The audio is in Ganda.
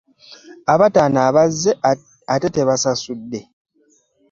Abatono abazze ate tebaasasudde.